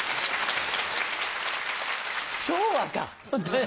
昭和か！